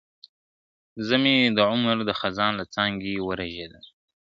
زه مي د عُمر د خزان له څانګي ورژېدم ,